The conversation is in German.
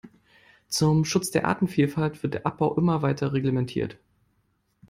Zum Schutz der Artenvielfalt wird der Abbau immer weiter reglementiert.